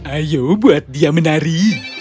ayo buat dia menari